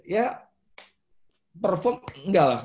ya perform enggak lah